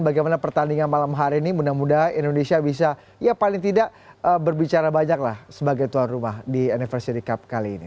bagaimana pertandingan malam hari ini mudah mudahan indonesia bisa ya paling tidak berbicara banyak lah sebagai tuan rumah di anniversary cup kali ini